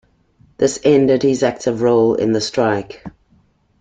This ended his active role in the strike.